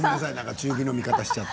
中火の味方をしちゃって。